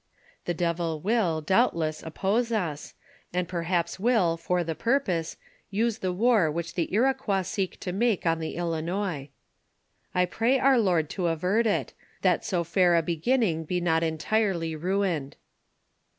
The devil will, doubtless, oppose us, and perhaps will, for the pui'pose, use the war which the Iroquois seek to make on the Ilinois. I pray our Lord to avert it, that so fair a beginning be not entirely ruined.